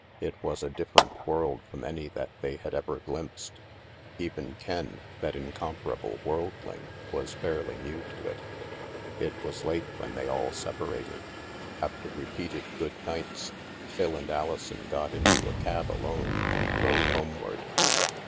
It was a different world from any that they had ever glimpsed. Even Ken, that incom parable worldling, was fairly new to it. It was late when they all separated. After re peated good nights, Phil and Alison got into a cab alone and drove homeward.